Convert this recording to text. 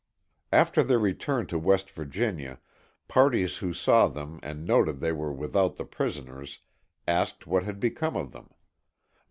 After their return to West Virginia, parties who saw them and noted they were without the prisoners, asked what had become of them.